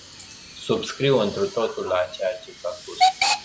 Subscriu întru totul la ceea ce s-a spus.